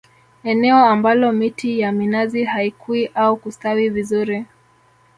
Eneo ambalo miti ya minazi haikui au kustawi vizuri